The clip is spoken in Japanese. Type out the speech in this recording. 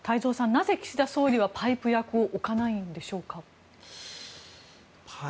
なぜ、岸田総理はパイプ役を置かないんでしょうか。